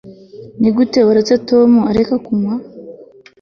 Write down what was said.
nigute watumye tom areka kunywa